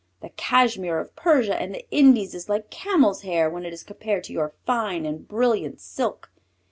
The cashmere of Persia and the Indies is like camel's hair when it is compared to your fine and brilliant silk.